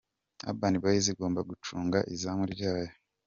Urban Boyz igomba gucunga izamu ryayo.